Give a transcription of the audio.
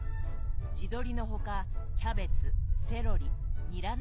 地鶏の他キャベツセロリニラなど。